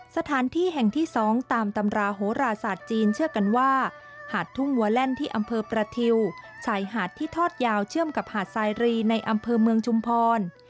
สถานที่แห่งที่๒ตามตำราโหราศาสตร์จีนเชื่อกันว่าหาดทุ่งวัวแล่นที่อำเภอประทิวชายหาดที่ทอดยาวเชื่อมกับหาดสายรีในอำเภอเมืองชุมพร